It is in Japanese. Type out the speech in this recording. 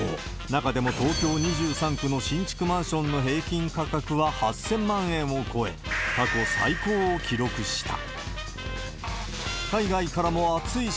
中でも東京２３区の新築マンションの平均価格は８０００万円を超え、過去最高を記録した。